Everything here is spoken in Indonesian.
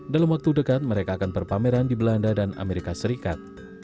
dalam waktu dekat mereka akan berpameran di belanda dan amerika serikat